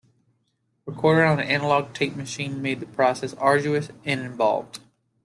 Recording on an analogue tape machine made the process arduous and involved.